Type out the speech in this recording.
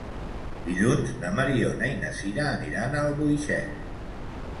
Dilluns na Mariona i na Sira aniran a Albuixec.